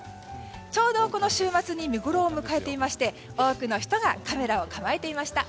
ちょうどこの週末に見ごろ迎えていまして多くの人がカメラを構えていました。